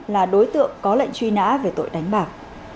là đối tượng có lệnh truy nã về tội đánh bạc